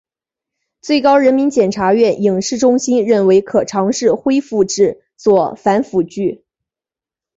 最高人民检察院影视中心认为可尝试恢复制作反腐剧。